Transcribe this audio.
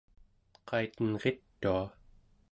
qaitenritua